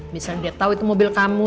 misalnya dia tahu itu mobil kamu